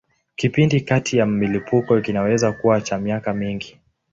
Kipindi kati ya milipuko kinaweza kuwa cha miaka mingi.